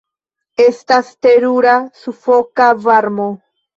Estas terura sufoka varmo.